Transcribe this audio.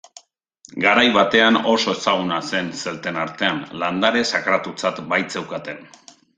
Garai batean oso ezaguna zen zelten artean, landare sakratutzat baitzeukaten.